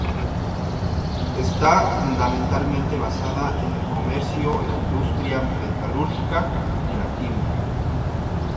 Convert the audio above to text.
Está fundamentalmente basada en el comercio, la industria metalúrgica y la química.